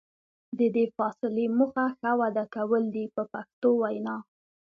د دې فاصلې موخه ښه وده کول دي په پښتو وینا.